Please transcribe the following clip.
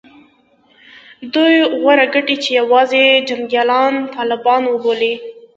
دوی غوره ګڼي چې یوازې جنګیالي طالبان وبولي